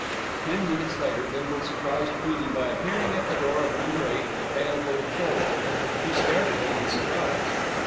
Ten minutes later Bindle surprised "Queenie" by appearing at the door of Number Eight with a pailful of coal. She stared at him in surprise.